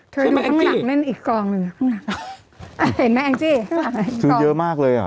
เธอดูข้างหนักเป็นอีกกองเดี๋ยวไหมแอง่จี่เยอะมากเลยอ่ะ